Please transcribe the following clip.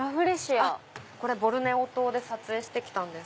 ボルネオ島で撮影して来たんです。